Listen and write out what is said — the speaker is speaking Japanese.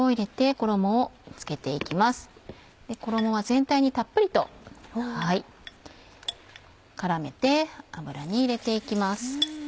衣は全体にたっぷりと絡めて油に入れて行きます。